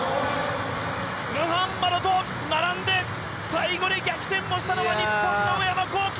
ムハンマドと並んで最後で逆転したのが日本の上山紘輝！